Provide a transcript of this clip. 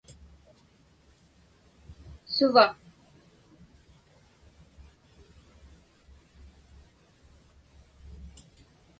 Suva?